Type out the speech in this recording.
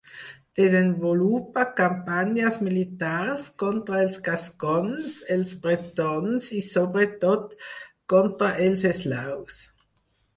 Desenvolupa campanyes militars contra els gascons, els bretons i, sobretot, contra els eslaus.